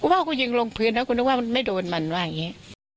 ว่ากูยิงลงพื้นแล้วกูนึกว่ามันไม่โดนมันว่าอย่างนี้